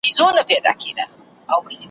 د کمزوري هم مرګ حق دی او هم پړ سي ,